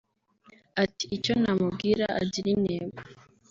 Ati "Icyo namubwira agire intego